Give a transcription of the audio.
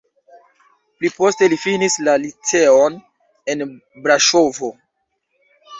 Pli poste li finis la liceon en Braŝovo.